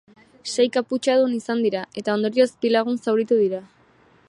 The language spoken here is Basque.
Sei kaputxadun izan dira, eta ondorioz bi lagun zauritu dira.